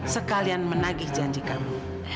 sekalian menagih janji kamu